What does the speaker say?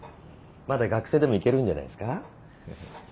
まだ学生でもいけるんじゃないですか。